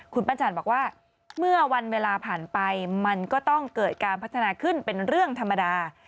คุณปั้นจันทร์บอกว่าเมื่อวันเวลาผ่านไปมันก็ต้องเกิดการพัฒนาขึ้นเป็นเรื่องธรรมดา